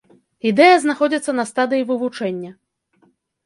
Ідэя знаходзіцца на стадыі вывучэння.